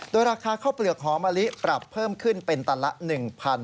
โดยราคาข้าวเปลือกหอมะลิปรับเพิ่มขึ้นเป็นตันละ๑๐๐บาท